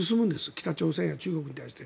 北朝鮮や中国に対して。